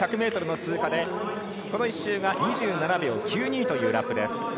１１００ｍの通過でこの１周２７秒９２というラップ。